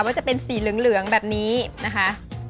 ว่าจะเป็นสีเหลืองแบบนี้นะคะ